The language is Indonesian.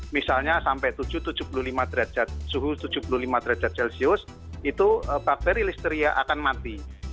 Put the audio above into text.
misalnya sampai tujuh ratus tujuh puluh lima derajat suhu tujuh puluh lima derajat celcius itu bakteri listeria akan mati